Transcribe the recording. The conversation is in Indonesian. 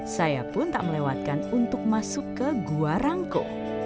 saya pun tak melewatkan untuk masuk ke gua rangku